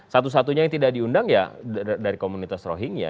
satu satunya yang tidak diundang ya dari komunitas rohingya